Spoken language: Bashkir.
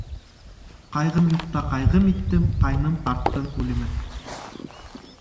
Ҡайғым юҡта ҡайғым иттем ҡайным ҡарттың үлемен.